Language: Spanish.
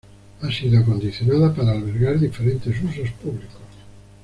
Ha sido acondicionada para albergar diferentes usos públicos.